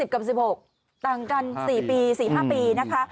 กับ๑๖ต่างกัน๔ปี๔๕ปีนะคะ